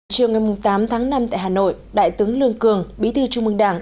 chiều ngày tám tháng năm tại hà nội đại tướng lương cường bí thư trung mương đảng